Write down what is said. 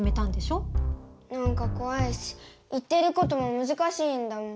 なんかこわいし言ってることも難しいんだもん。